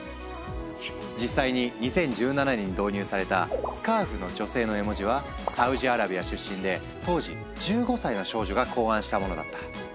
実際に２０１７年に導入されたスカーフの女性の絵文字はサウジアラビア出身で当時１５歳の少女が考案したものだった。